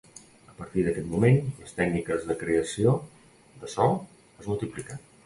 A partir d'aquest moment les tècniques de creació de so es multipliquen.